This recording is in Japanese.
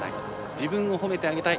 自分をほめてあげたい。